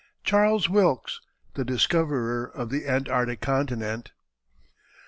CHARLES WILKES, THE DISCOVERER OF THE ANTARCTIC CONTINENT.